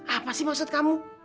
apa sih maksud kamu